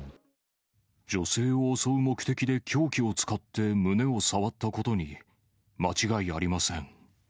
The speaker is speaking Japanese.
女性を襲う目的で凶器を使って胸を触ったことに間違いありません。